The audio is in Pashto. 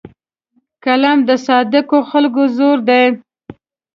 قلم د صادقو خلکو زور دی